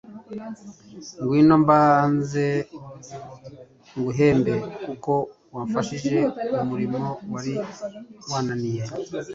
Ngwino mbanze nguhembe kuko wamfashije umurimo wari wananiye».